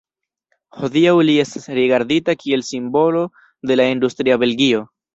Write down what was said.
Hodiaŭ li estas rigardita kiel simbolo de la industria Belgio.